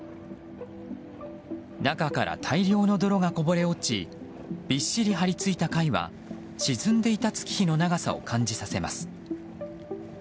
中から大量の泥がこぼれ落ちびっしり張り付いた貝は沈んでいた月日の長さを感じさせます。